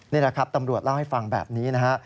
นี่แหละครับตำรวจเล่าให้ฟังแบบนี้นะฮะ